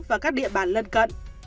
và các địa bàn lân cận